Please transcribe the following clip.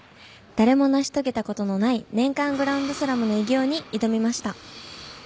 誰も成し遂げたことのない年間グランドスラムの偉業に挑みました。